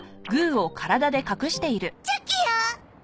チョキよ！